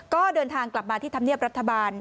ก็เดินทางกลับมาที่ธรรมเนียบรัฐบาล